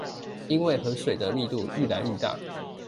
因為河水的密度愈來愈大